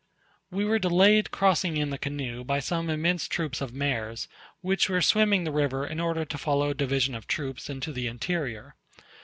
We were delayed crossing in the canoe by some immense troops of mares, which were swimming the river in order to follow a division of troops into the interior.